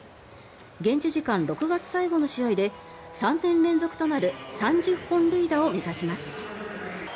現地時間６月最後の試合で３年連続となる３０本塁打を目指します。